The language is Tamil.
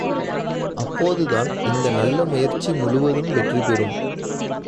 அப்போதுதான் இந்த நல்ல முயற்சி முழுவதும் வெற்றி பெறும்.